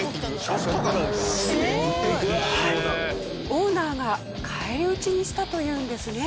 オーナーが返り討ちにしたというんですね。